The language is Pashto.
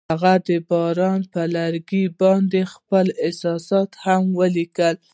هغوی د باران پر لرګي باندې خپل احساسات هم لیکل.